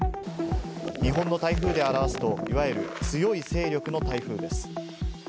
日本の台風で表すと、いわゆる強い勢力の台風です。